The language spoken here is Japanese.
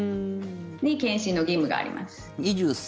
検診の義務があります。